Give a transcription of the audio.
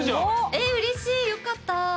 えうれしいよかった！